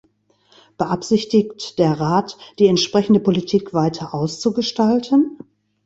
Beabsichtigt der Rat, die entsprechende Politik weiter auszugestalten?